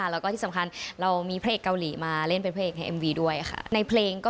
และมีพระเอกเกาหลีมาเป็นเเพลงชื่อเต้น